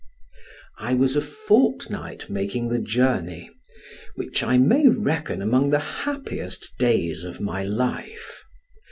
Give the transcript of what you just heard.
I was a fortnight making the journey, which I may reckon among the happiest days of my life.